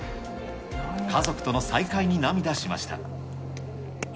家族との再会に涙しました。